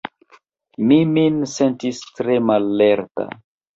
Mi min sentis tre mallerta.